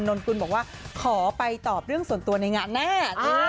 นนกุลบอกว่าขอไปตอบเรื่องส่วนตัวในงานแน่